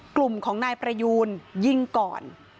กลุ่มของนายประยูนยิงก่อน